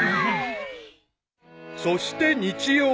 ［そして日曜日］